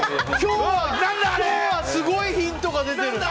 今日はすごいヒントが出てる！